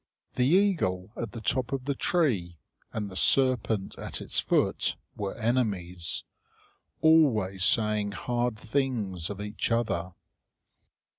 The eagle at the top of the tree and the serpent at its foot were enemies, always saying hard things of each other.